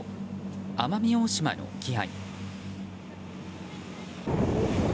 奄美大島の沖合。